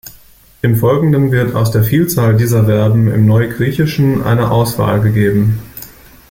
Im Folgenden wird aus der Vielzahl dieser Verben im Neugriechischen eine Auswahl gegeben.